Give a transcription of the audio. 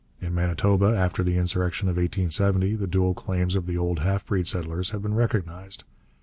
In Manitoba, after the insurrection of 1870, the dual claims of the old half breed settlers had been recognized.